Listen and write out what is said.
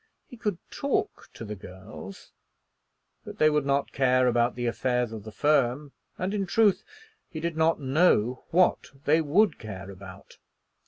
He could talk to the girls; but they would not care about the affairs of the firm; and, in truth, he did not know what they would care about.